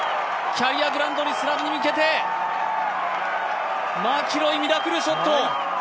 キャリアグランドスラムに向けてマキロイ、ミラクルショット。